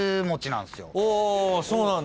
そうなんだ。